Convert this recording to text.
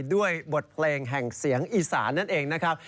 ด้วยบทเพลงแห่งเสียงอีสานนั่นเองนะครับ